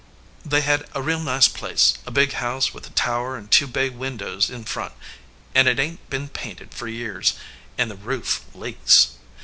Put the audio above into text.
They had a real nice place, a big house with a tower and two bay windows in front ; an it ain t been painted for years, an* the roof leaks.